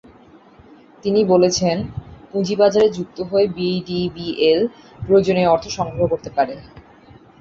তিনি বলেছেন, পুঁজিবাজারে যুক্ত হয়ে বিডিবিএল প্রয়োজনীয় অর্থ সংগ্রহ করতে পারে।